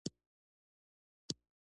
موږ په ژمي کې څه وکړو.